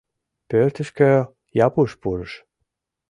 Пӧртышкӧ Япуш пурыш: